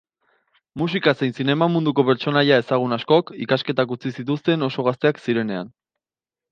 Musika zein zinema munduko pertsonaia ezagun askok ikasketak utzi zituzten oso gazteak zirinean.